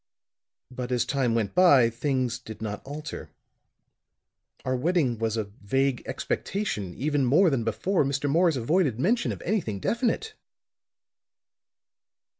But as time went by, things did not alter; our wedding was a vague expectation; even more than before Mr. Morris avoided mention of anything definite.